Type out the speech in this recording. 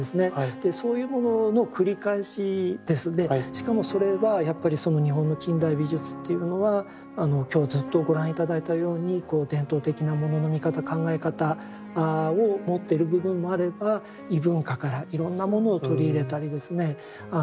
しかもそれはやっぱりその日本の近代美術っていうのは今日ずっとご覧頂いたように伝統的なものの見方考え方を持っている部分もあれば異文化からいろんなものを取り入れたりですね